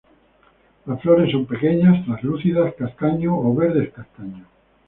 Las flores son pequeñas, translúcidas, castaño o verdes-castaño.